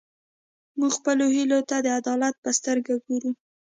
موږ خپلو هیلو ته د عدالت په سترګه ګورو.